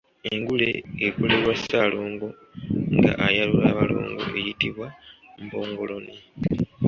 Engule ekolerwa Ssaalongo nga ayalula abalongo eyitibwa mpongoloni.